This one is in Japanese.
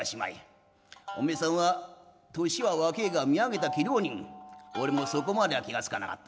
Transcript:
おめえさんは年は若えが見上げた器量人俺もそこまでは気が付かなかった。